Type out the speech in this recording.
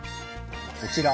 こちら